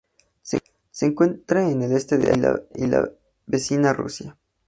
Se encuentra en el Este de Asia y la vecina Rusia.